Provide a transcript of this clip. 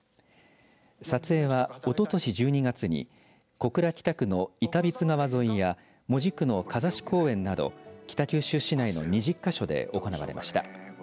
撮影はおととし１２月に小倉北区の板櫃川沿いや門司区の風師公園など北九州市内の２０か所で行われました。